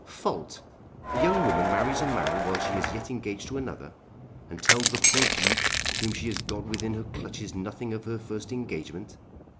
Fault! A young woman marries a man while she is yet engaged to another, and tells the poor dupe whom she has got within her clutches nothing of her first engagement!